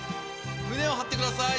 胸を張ってください。